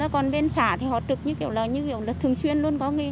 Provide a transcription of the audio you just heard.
còn bên xã thì họ trực như kiểu là thường xuyên luôn